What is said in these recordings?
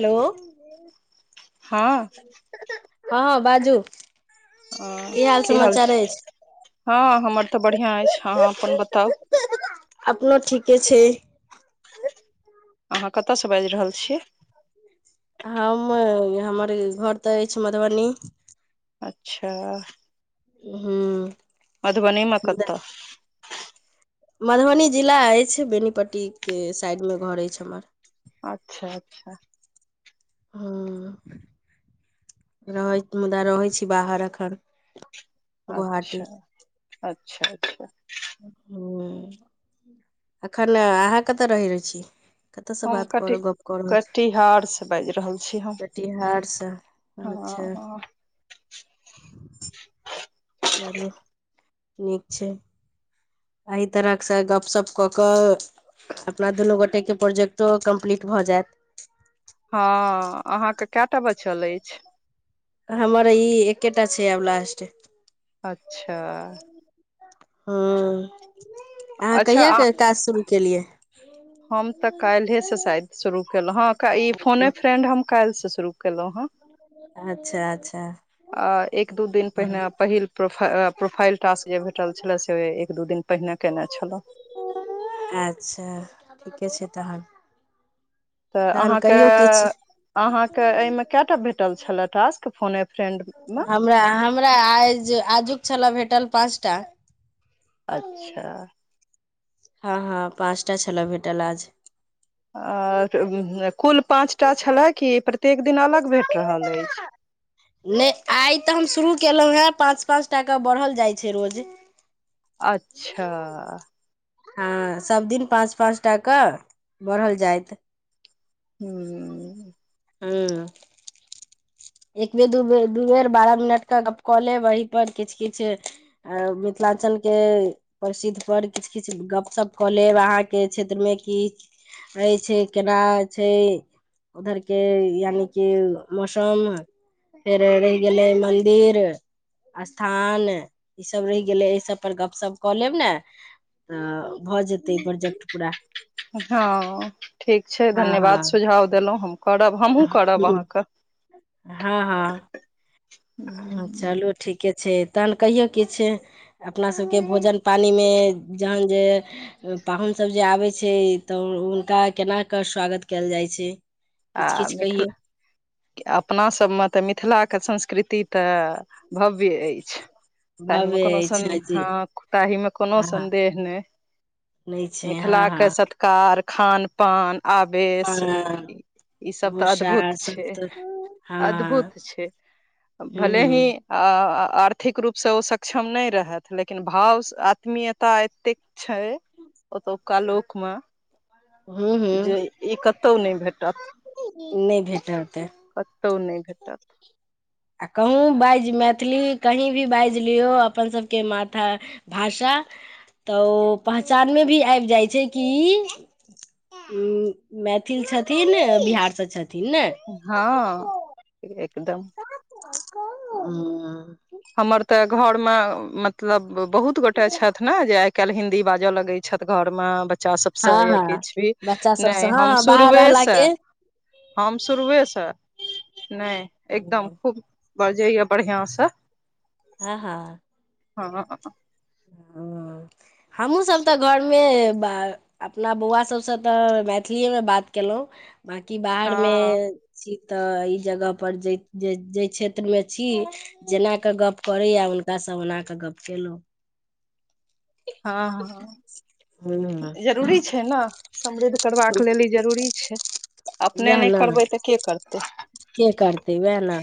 Hello हँ हँ बाजू हं की हाल छै हँ हमर तऽ बढ़िआं अछि अहाँ अपन बताउ अपनो ठीके छै अहाँ कतयसँ बाजि रहल छियै हम हमर घर तऽ अछि मधुबनी अच्छा ह मधुबनीमे कतऽ मधुबनी जिला अछि बेनीपट्टीके साइडमे घर अछि हमर अच्छा अच्छा हँ रहै मुदा रहै छी बाहर एखन गोहाटी अच्छा अच्छा अच्छा ह एखन अहाँ कतऽ रहैत रह छी कतयसँ हम बात कर कटि गप कऽ रहल छी कटिहारसँ बाजि रहल छी हम कटिहारसँ अच्छा ह [inaudible] चलू नीक छै ए तरहसँ गपशप कऽ कऽ अपना दुनू गोटेके प्रोजेक्टो कम्प्लीट भऽ जायत हँ अहाँके कएटा बचल अछि हमरा ई एकेटा छै आब लास्ट अच्छा ह अहाँ अच्छा कहिया आ के काज शुरू केलियै हम तऽ काल्हिेसँ शायद शुरू केलहुँ हँ ई फोने फ्रेंड हम काल्सँ शुरू केलहुँ हँ अच्छा अच्छा अ एक दू दिन हँ पहिने पहिल प्रो प्रोफाइल टास्क जे भेटल छलै से एक दू दिन पहिने केने छलहुँ अच्छा ठीके छै तहन तऽ तहन अहाँके कहियौ किछु अहाँ के एमे कटा भेटल छले टासक फोन ए फ्रेंड मे हमरा हमरा आज आजुक छलऽ भेटल पाँच टा अच्छा हँ हँ पाँचटा छलऽ भेटल आज आ कुल पाँच टा छलए की प्रत्येक दिन अलग भेट रहल अछि नहि आइ तऽ हम शुरू केलहुॅं हें पाँच पाच टा केँ बढ़ल जाइ छै रोज अच्छा हँ सब दिन पाँच पाँच टा क बढ़ल जायइत हू हुँ एक बेर दू बेर दू बेर बारह मिनट के गप्प कऽ लेब वही किछु किछु अऽ मिथिलांचल के प्रसिद्ध पर किछ किछ गप शप कऽ लेब अहाँ के क्षेत्र मे कि रहेछै केना छै उधर के यानि कि मौसम फेर रहि गेलै मंन्दिर स्थान ई सब रहि गेलै एहि सब पर गप शप कऽ लेब न तऽ भऽ जेतै प्रोजेक्ट पूरा हाँ ठीक छै हँ धन्यवाद सुझाव देलहुँ हम करब हमहुँ करब हँ अहाँ कऽ हँ हँ चलू ठीके छै तहन कहियौ किछ अपना सबके भोजन पानिमे जहन जे पाहुनसभ जे आबैत छै तऽ हुनका केनाकऽ स्वागत कयल जाइत छै आ किछु किछु कहियौ मिथिला अपनासभमे तऽ मिथिलाके संस्कृति तऽ भव्य अछि तहि मे भव्य कोनो सन अछि जी तहि मे कोनो हँ हँ सन्देह नहि नहि छै हाँ हाँ कार खान पान आवेश पान ई सब तऽ भूसा अद्भुत सब छै तऽ हँ हँ अद्भुत छै भले ही आ आ आर्थिक रूप सँ ओ सक्षम नहि रहेत लेकिन भाव आत्मीयता एतेक छै ओतोका लोक मऽ हूँ हूँ जे ई कतउ नहि भेटत नै भेटतै कतौ नैइ भेटत आ कहूँ बाजि मैथिली कही भी बाजि लियौ अपन सभ के माथा भाषा तऽ ओ पहचान मे भी आबि जाइ छै की ई मैथिल छथिन बिहार सँ छथिन नइ हँ एकदम हुँ हमर तऽ घर मे मतलब बहुत गोटे छैथ न जे आइ काल्हि हिन्दी बाज बजय लगै छथि घर मऽ बच्चा सब से हँ या हँ किछ भी बच्चा सबसँ नहि हँ हम हँ बाहर शुरुए रहला सँ के हम शुरुए सँ नहि एकदम खूब बरजैए बढ़िआँ सँ हँ हँ हँ [unintelligible] हाँ हमहुँ सब तऽ घर मऽ मे अपना बौआ सभ सँ तऽ मैथिलीए मे बात केलहुँ बाकी बाहर मे हँ छी तऽ ई जगह पर जे जे जेय क्षेत्र मे छी जेना के गप करैया हुनकाँ ओना कऽ गप केलहुँ हँ हँ हँ जरूरी छै ने समृद्ध करबाक लेल ई जरूरी छै अपने वएह नहि ने करबै तऽ के करतै के करतै वएह ने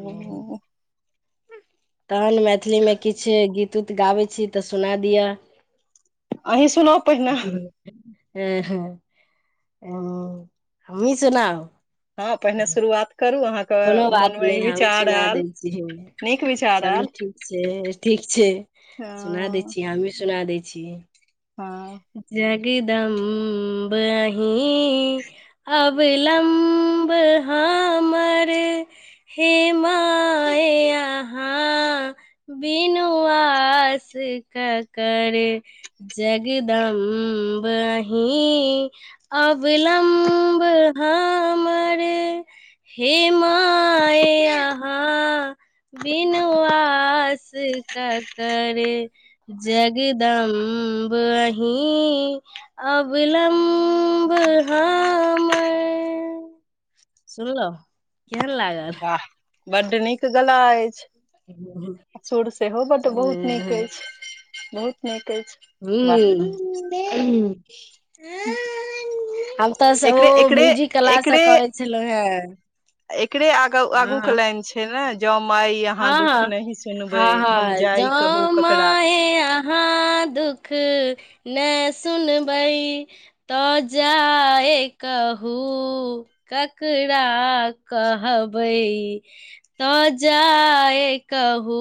हुँ तहन मैथिली मे किछ गीत उत गाबै छी तऽ सुना दिअ आही सुनाउ पहिने [unintelligible] हमही सुनाउ हँ पहिने शुरुआत करू अहाँ कोनो बात नहि हम सुना दै छी नीक विचार चलू आयल ठीक छै ठीक छै सुना दै ह छी हमही सुना दै छी हँ जगदम्ब अहीँ अविलम्ब हमर हे माय अहाँ विनुआास केकर जगदम्ब अही अविलम्ब हमर हे माय‌आहा बिनु आस क कर जगदम्ब अही अविलंम्ब हमर सुनलो केहन लागल वाह बड़ नीक गला अछि ह [unintelligible] आ सुर सेहो बट बहुत नीक अछि बहुत नीक अछि बाह से ह ह हम त से ओ म्यूजिक क्लास से एकरे करै छलहुँ हें एकरे आग आगू हँ के लाइन छै फे ने ज म आइ यहा हँ दुख हँ नही हँ सुनबे हम हँ जाइ कहु ककरा हँ दुख ने सुनबै त जाय कहू ककरा कहबै त ज जाय कहू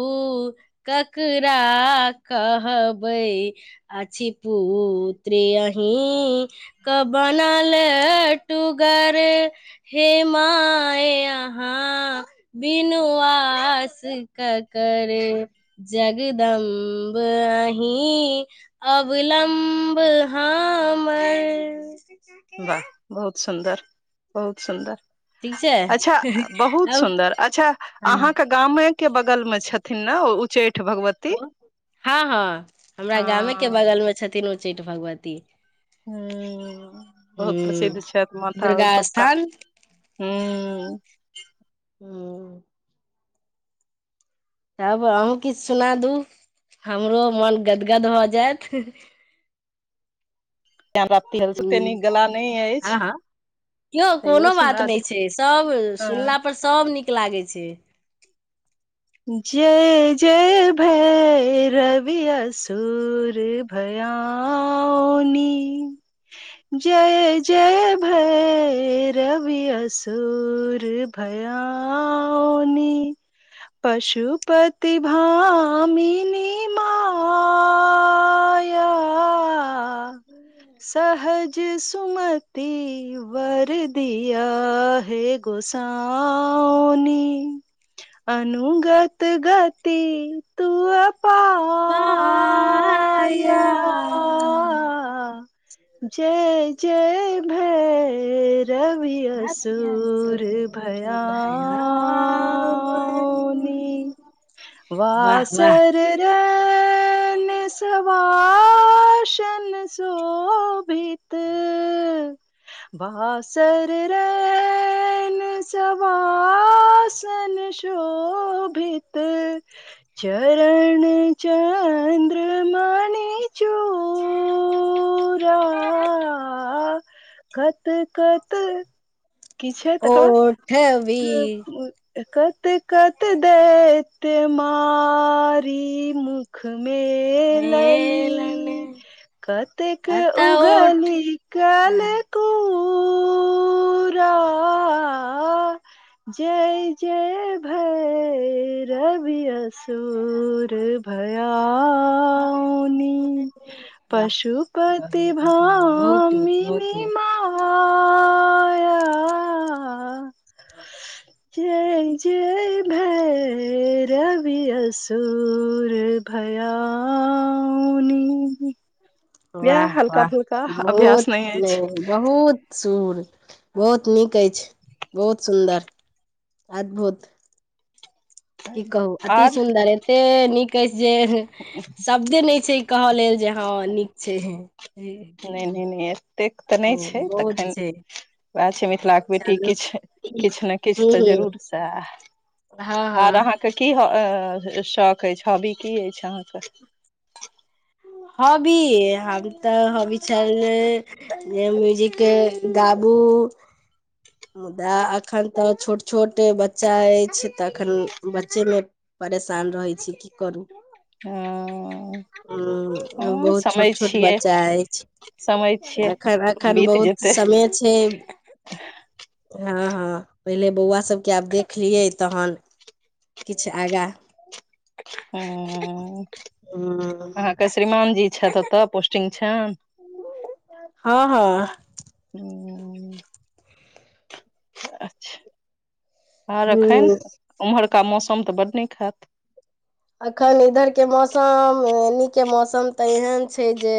ककरा कहबै अ छी पुत्री अही क बनल टूगर हेमाय अहाँ बनु आ आस क कर जगदम्ब अहीं अवलम्ब हम वाह बहुत सुन्दर बहुत सुन्दर ठीक छै अच्छा बहुत अब सुन्दर अच्छा हँ अहाँके गामे के बगल में छथिन ने ओ उचैठ हँ हँ हमरा गामेके हँ बगलमे छथिन उच्चैठ भगवती ह बहुत प्रसिद्ध हूँ छथि माता दुर्गा ओतुका स्थान हू हू तब अहूँ किछु सुना दू हमरो मन गदगद भ जैत जान रााती हल सेते हूँ नीक गला नहि हँ अछि हँ यौ तैयो कोनो बात सुना दे नहि छै सभ सुनलापर सभ नीक लागैत छै जय जय भैरवि असूुर भयाऊणि जय जय भैरवि असूुर भयाऊणि पशुपतिभामिनी माय आ सहज सुमति वर दिया हे गोसउऊणि अनुगत गति तूअ पा पाया जय जय भै रवि अ धाबिया सूर सूरि भया भयाउनि। नी वाह वाह वासरै सन सवा शन शोभित भासर रैन सवासन शो [inaudible] भित चरण चन्द्रमाणि चू उड़ा कत कत की छै तकर ओठबी बाद त कत कत देैत्य मारी मुख उख मेलली मेलन कतेक कतऽ ओठ उगली कएल [inaudible] आ जय जय भैरवि असुर भयाउ नि वाह बहुत पशुपति बढ़िया बहुत नीक भामिनि बहुत नीक मा जय जय भैरवि असुर भया वएह वाह हल्का वाह फुल्का अभ्यास बहुत नहि अछि नि बहुत सुुर बहुत नीक अछि बहुत सुन्दर अद्भुत की कहू अति आर सुंन्दर एते नीक अछि जे शब्दे नहि छै कहऽ लेल जे हँ नीक छै नहि नहि नहि एतेक ब बहुत छै उएह छै मिथिला के बेटी चलू किछु किछु ने किछु हू तऽ हू जरूर हँ तऽ आर हँ अहाँ के की ह शौक अछि हॉबी की अछि अहाँके हॉबी हम तऽ हॉबी छल जे म्यूजिक गाबू मुदा एखन तऽ छोट छोट बच्चा अछि तऽ एखन बच्चेमे परेशान रहै छी की करू हँ ह बहुत छोट समय छोट छियै बच्चा समय अछि छियै एखन एखन बीत बहुत जेतै समेय छै हँ हँ पहिले बौआ सबके आब देखलियै तहन किछु आगा ह अहाँके श्रीमान जी छथि ओतऽ पोस्टिंग छनि हँ हँ [inaudible] अच्छा आओर एखन ह उम्हरका मौसम तऽ बड नीक हैत एखन इधर के मौसम एनी के मौसम तऽ एहन छै जे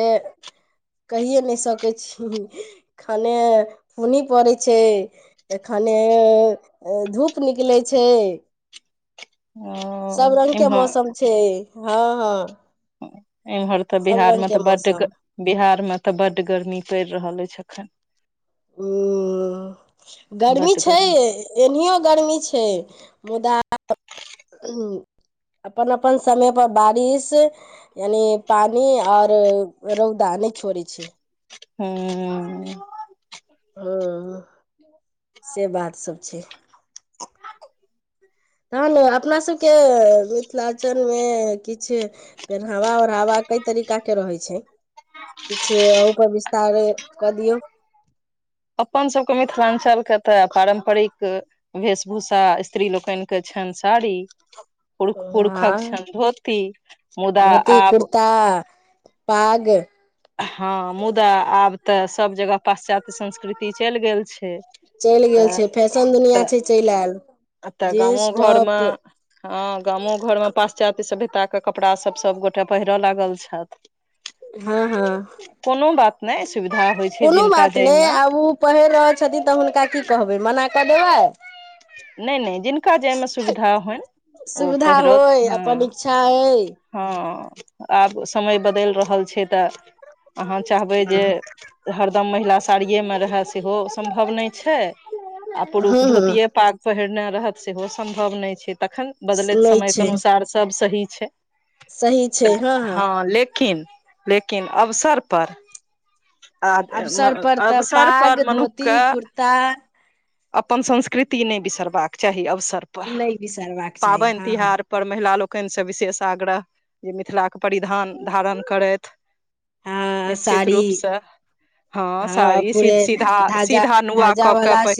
कहिए नहि सकै छी खाने पूनी पड़ै छै तऽ खने धूप निकलै छै सब ओ रंग के इम्हर मौसम छै हँ हँ इमहर तऽ सब रंग बिहारमे के तऽ बड्ड मौसम बिहार मे तऽ बड्ड गर्मी पड़ि रहल अछि एखन ह गर्मी छै एनहिओ गर्मी छै मुदा अपन अपन समय पर बारिश एनी पानि आओर रौदा नहि छोड़ै छै हू हँ से बात सब छै तहन अपना सभके मिथिलाञ्चलमे किछु पेनावा ओढ़ावा कै तरीका के रहै छै किछ ऊपर विस्तार क दियौ अपन सभके मिथिलाञ्चलके तऽ पारम्परिक वेशभूषा स्त्री लोकनिक के छनि साड़ी पुरूख हँ पुरुषक छैन धोती मुदा धोती आब कुर्ता पाग हँ मुदा आब तऽ सब जगह पाश्चात्य संस्कृति चलि गेल छै चलि गेल तऽ छै फैशन दुनिया तऽ छै चलि आयल एतऽ जींस गामो घरमे टॉप हँ गामो घरमे पाश्चात्य सभ्यता के कपड़ा सभ सभगोटाे पहिरय लागल छथि हँ हँ कोनो बात नहि सुविधा होइ छै कोनो जिनका बात नहि जाहिमे आब ओ पहिर रहल छथिन तऽ हुनका की कहबै मना कऽ देबै नहि नहि जिनका जैमे सुविधा होनि ओ सुविधा पहिरत होय हँ अपन इच्छा अइ हँ आब समय बदलि रहल छै तऽ अहाँ चाहबै जे हरदम महिला साड़िएमे रहए सेहो सम्भव नहि छै आ पुुरुष हँ हँ धोतीये पाग पहिरने रहत सेहो सम्भव नहि छै तखन बदलैत लै समयके छै अनुसार सभ सही छै तऽ हँ लेकिन लेकिन अवसर पर आ अवसर पर अवसर पाग पर मनुक्ख धोती के कुर्ता तऽ अपन संस्कृति नहि बिसरबाक चाही अवसर पर नहि बिसरबाक चाही पाबनि हँ हँ तिहार पर महिला लोकनिसँ विशेष आग्रह जे मिथिलाके परिधान धारण करथि हँ निश्चित साड़ी रूप से हँ साड़ी सीधा धाजा सीधा नुआ धाजा कऽ के वाला पहि